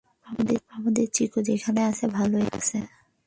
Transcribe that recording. আমাদের চিকো যেখানে আছে, ভালোই আছে!